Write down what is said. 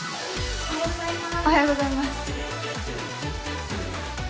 おはようございます